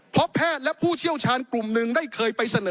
เพราะแพทย์และผู้เชี่ยวชาญกลุ่มหนึ่งได้เคยไปเสนอ